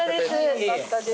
よかったです。